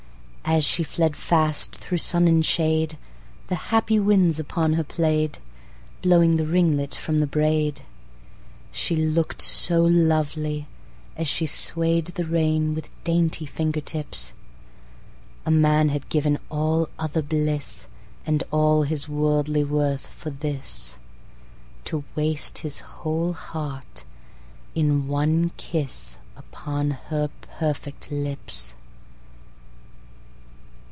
As she fled fast thro' sun and shade, The happy winds upon her play'd, Blowing the ringlet from the braid. She look'd so lovely, as she sway'd The rein with dainty finger tips, A man had given all other bliss, And all his worldly worth for this, To waste his whole heart in one kiss Upon her perfect lips.